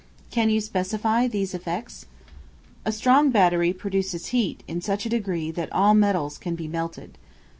Can you specify these effects? A strong battery produces heat in such a degree that all metals can be melted.